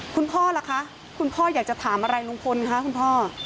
พ่อล่ะคะคุณพ่ออยากจะถามอะไรลุงพลคะคุณพ่อ